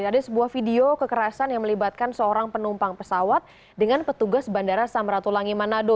ada sebuah video kekerasan yang melibatkan seorang penumpang pesawat dengan petugas bandara samratulangi manado